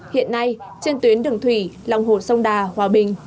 hiện nay trên tuyến đường thủy lòng hồ sông đà hòa bình